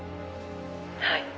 「はい」